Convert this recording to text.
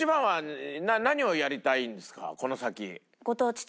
この先。